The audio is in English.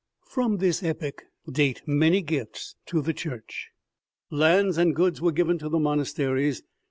From this epoch date many gifts to the Church. Lands and goods were given to the monasteries.